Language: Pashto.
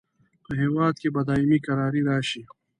په هیواد کې به دایمي کراري راشي.